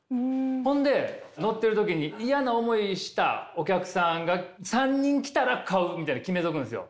ほんで乗っている時に嫌な思いしたお客さんが３人来たら買うみたいに決めとくんですよ。